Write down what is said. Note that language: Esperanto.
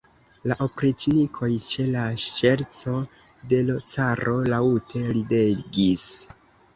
La opriĉnikoj, ĉe la ŝerco de l' caro, laŭte ridegis.